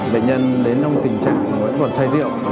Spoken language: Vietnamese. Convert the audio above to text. bệnh nhân đến trong tình trạng tuần say rượu